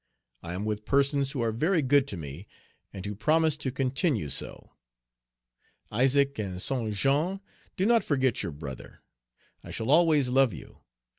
I am with persons who are very good to me, and who promise to continue so. Isaac and Saint Jean, do not forget your brother! I shall always love you.